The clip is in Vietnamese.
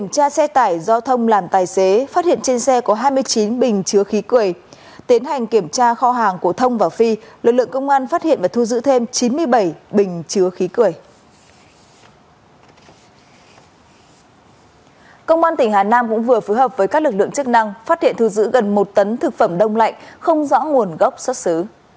công an tỉnh hà nam cũng vừa phù hợp với các lực lượng chức năng phát hiện thu giữ gần một tấn thực phẩm đông lạnh không rõ nguồn gốc xuất xứ